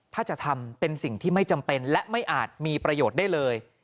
ถ้าจะทำเป็นสิ่งที่ไม่จำเป็นและไม่อาจมีประโยชน์ได้เลย